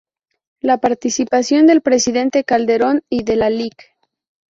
La participación del Presidente Calderón y de la Lic.